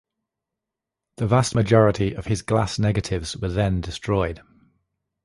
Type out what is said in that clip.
The vast majority of his glass negatives were then destroyed.